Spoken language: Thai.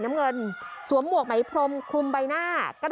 อัศวินธรรมชาติ